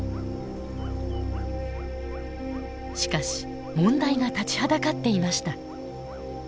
しかし問題が立ちはだかっていました。